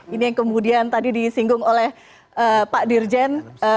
ini yang kemudian tadi di singgung oleh pak dirjen